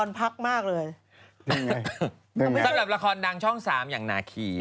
สำหรับละครดังช่องสามอย่างนาคี